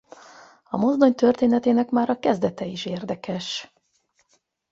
A mozdony történetének már a kezdete is érdekes.